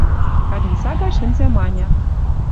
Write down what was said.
Кабин сага шӹнзӓ Маня